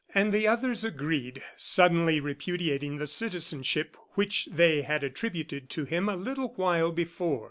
And the others agreed, suddenly repudiating the citizenship which they had attributed to him a little while before.